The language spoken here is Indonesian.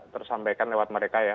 tersampaikan lewat mereka ya